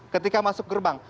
ketika masuk gerbang